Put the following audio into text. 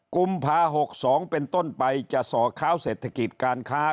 กุมภา๖๒เป็นต้นไปจะส่อข้าวเศรษฐกิจการค้า